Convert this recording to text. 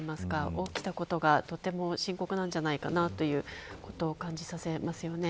起きたことが深刻なんじゃないかということを感じさせますよね。